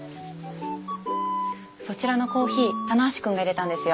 そちらのコーヒー棚橋君がいれたんですよ。